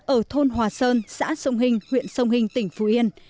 ở thôn hòa sơn xã sông hình huyện sông hình tỉnh phú yên